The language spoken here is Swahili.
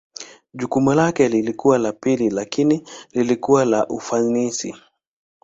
Jukumu lake lilikuwa la pili lakini lilikuwa na ufanisi.